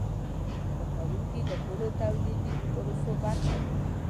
کارکوونکي د ټولو تولیدي پروسو برخه دي.